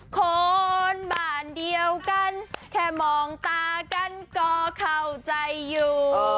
คนบ้านเดียวกันแค่มองตากันก็เข้าใจอยู่